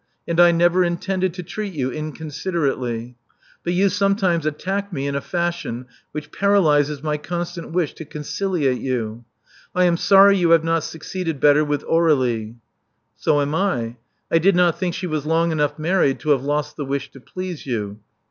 And I never intended to treat you inconsiderately. But you some times attack me in a fashion which paralyses my con stant wish to conciliate you. I am sorry you have not succeeded better with Aur61ie." So am I. I did not think she was long enough married to have lost the wish to please you.